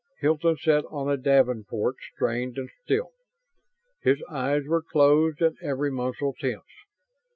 Hilton sat on a davenport strained and still. His eyes were closed and every muscle tense.